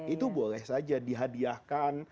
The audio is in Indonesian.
itu boleh saja dihadiahkan